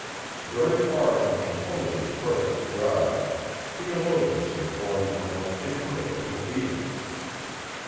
Very far from composing a perfect God, theologians have formed the most imperfect of beings.